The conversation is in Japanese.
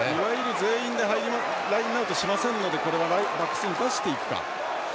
全員でラインアウトしないのでこれはバックスを生かしていくか。